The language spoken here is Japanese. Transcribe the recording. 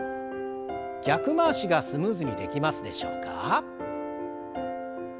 逆回しがスムーズにできますでしょうか？